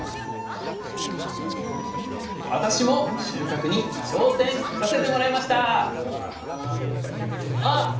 私も収穫に挑戦させてもらいましたあ